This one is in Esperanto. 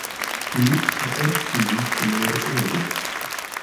Ni ĉeestis nur unu.